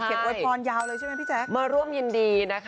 ใช่มาร่วมยืนดีนะคะ